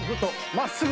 まっすぐ。